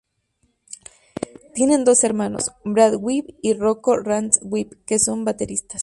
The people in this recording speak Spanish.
Tienen dos hermanos, Brad Webb y Rocco Rands-Webb, que son bateristas.